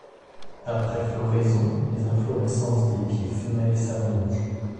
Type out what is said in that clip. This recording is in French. Après floraison les inflorescences des pieds femelles s'allongent.